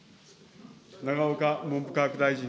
永岡文部科学大臣。